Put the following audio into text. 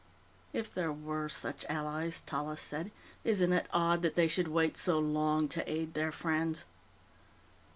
"If there were such allies," Tallis said, "isn't it odd that they should wait so long to aid their friends?"